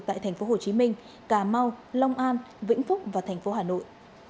tại thành phố hồ chí minh cà mau long an vĩnh phúc và thành phố hà nội